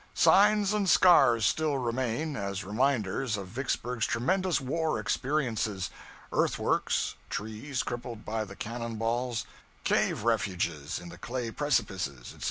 Signs and scars still remain, as reminders of Vicksburg's tremendous war experiences; earthworks, trees crippled by the cannon balls, cave refuges in the clay precipices, etc.